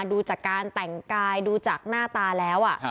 ดูจากการแต่งกายดูจากหน้าตาแล้ว